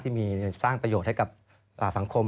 ที่มีสร้างประโยชน์ให้กับสังคม